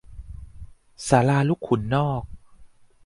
ศาลาลูกขุนนอก